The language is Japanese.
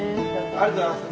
ありがとうございます。